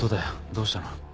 どうしたの？